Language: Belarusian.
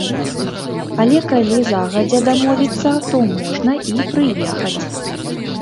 Але калі загадзя дамовіцца, то можна і прыехаць.